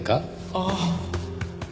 ああ。